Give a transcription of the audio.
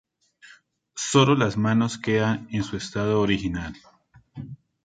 Sólo las manos quedan en su estado original.